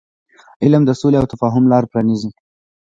علم د سولې او تفاهم لار پرانیزي.